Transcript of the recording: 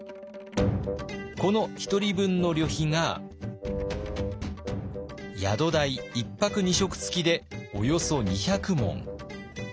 この１人分の旅費が宿代１泊２食付きでおよそ２００文。